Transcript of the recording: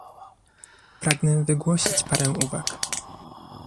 Pragnę wygłosić parę uwag